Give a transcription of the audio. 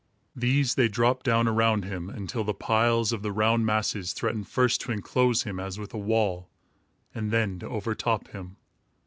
These they dropped down around him, until the piles of the round masses threatened first to enclose him as with a wall, and then to overtop him.